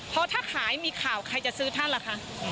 เพราะถ้าขายมีข่าวใครจะซื้อท่านล่ะคะ